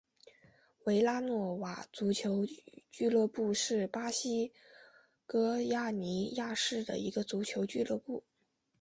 维拉诺瓦足球俱乐部是巴西戈亚尼亚市的一个足球俱乐部。